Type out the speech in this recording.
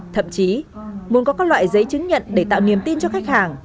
thậm chí muốn có các loại giấy chứng nhận để tạo niềm tin cho khách hàng